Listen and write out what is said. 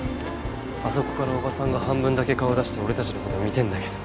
あそこからおばさんが半分だけ顔出して俺たちのこと見てんだけど。